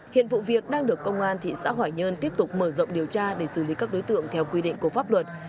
hiện vụ việc đang được công an thị xã hoài nhơn tiếp tục mở rộng điều tra để xử lý các đối tượng theo quy định của pháp luật